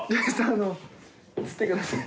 あの映ってください